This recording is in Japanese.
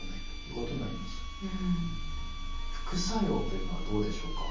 副作用というのはどうでしょうか？